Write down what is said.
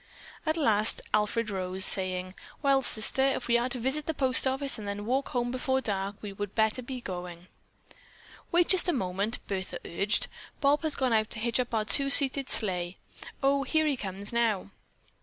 At last Alfred arose, saying: "Well, Sister, if we are to visit the post office and then walk home before dark, we would better be going." "Wait just one moment," Bertha urged. "Bob has gone out to hitch up our two seated sleigh. Oh, here he comes now."